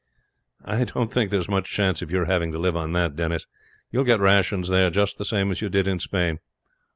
"I don't think there's much chance of your having to live on that Denis. You will get rations there just the same as you did in Spain."